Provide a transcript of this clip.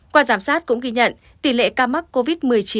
qua giám sát cũng ghi nhận tỷ lệ ca mắc covid một mươi chín